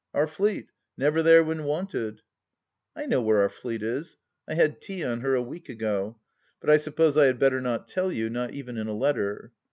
Our Fleet, never there when wanted ! I know where our Fleet is ; I had tea on her a week ago ; but I suppose I had better not tell you, even in a letter.